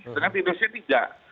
dengan indonesia tidak